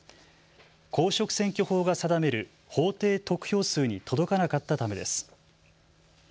公職選挙法が定める法定得票数に届かなかったためです。